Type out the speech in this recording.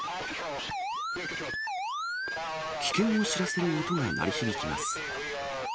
危険を知らせる音が鳴り響きます。